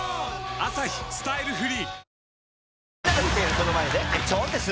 「アサヒスタイルフリー」！